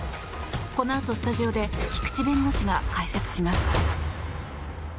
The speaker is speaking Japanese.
このあとスタジオで菊地弁護士が解説します。